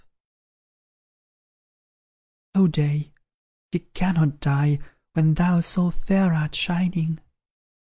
"O day! he cannot die When thou so fair art shining!